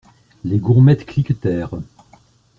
Les gourmettes cliquetèrent.